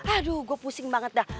aduh gue pusing banget dah